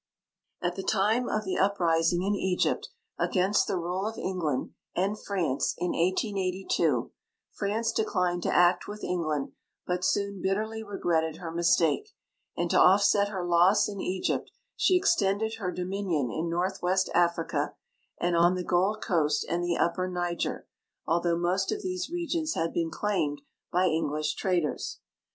At the time of the uprising in Egypt against the rule of England and France, in 1882, France declined to act with England, but soon bitterly regretted her mistake, and to offset her loss in Pigypt she extended her dominion in northwest Africa and on the Gold Coast and the upper Niger, although most of these regions had been claimed ly' English traders.